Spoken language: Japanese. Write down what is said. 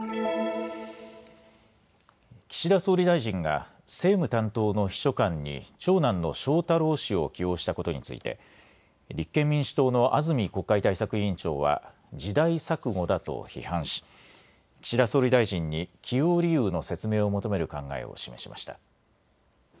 岸田総理大臣が政務担当の秘書官に長男の翔太郎氏を起用したことについて立憲民主党の安住国会対策委員長は時代錯誤だと批判し岸田総理大臣に起用理由の説明を求める考えを示しました。